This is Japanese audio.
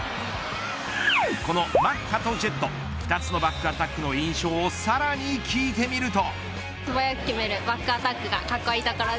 このマッハとジェット２つのバックアタックの印象をさらに聞いてみると。